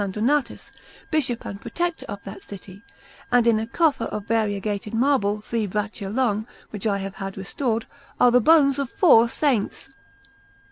Donatus, Bishop and Protector of that city, and in a coffer of variegated marble, three braccia long, which I have had restored, are the bones of four Saints.